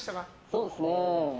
そうですね。